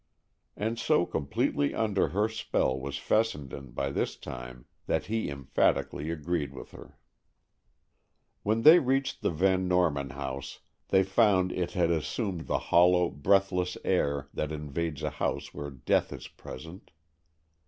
And so completely under her spell was Fessenden by this time that he emphatically agreed with her. When they reached the Van Norman house they found it had assumed the hollow, breathless air that invades a house where death is present.